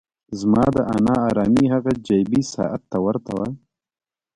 زما دا نا ارامي هغه جیبي ساعت ته ورته وه.